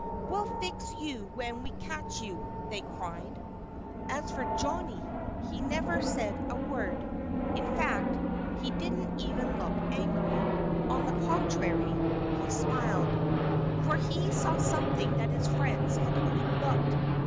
"We'll fix you when we catch you!" they cried. As for Johnnie, he said never a word. In fact he didn't even look angry. On the contrary, he smiled. For he saw something that his friends had overlooked.